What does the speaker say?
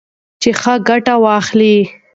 چې ښه ګټه واخلئ.